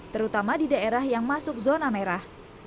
terutama di daerah yang masuk zona merah